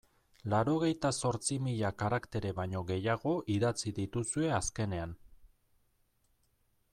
Laurogeita zortzi mila karaktere baino gehiago idatzi dituzue azkenean.